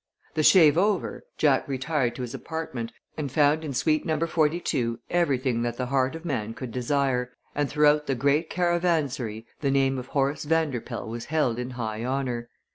The shave over, Jack retired to his apartment and found in suite number forty two everything that the heart of man could desire, and throughout the great caravansary the name of Horace Vanderpoel was held in high honor.